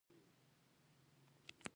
خو په دې شرط چې لیکنه یې ډېره پېچلې نه وي.